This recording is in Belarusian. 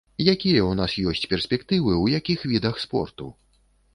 Якія ў нас ёсць перспектывы ў якіх відах спорту?